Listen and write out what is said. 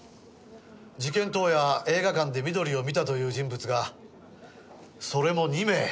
事件当夜映画館で美登里を見たという人物がそれも２名！